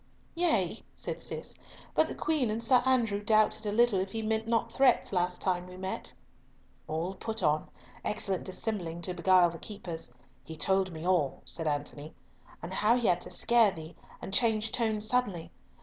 "Yea," said Cis, "but the Queen and Sir Andrew doubted a little if he meant not threats last time we met." "All put on—excellent dissembling to beguile the keepers. He told me all," said Antony, "and how he had to scare thee and change tone suddenly.